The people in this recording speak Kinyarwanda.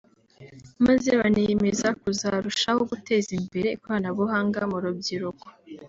maze baniyemeza kuzarushaho guteza imbere ikoranabuhanga mu rubyiruko